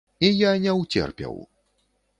І я не ўцерпеў!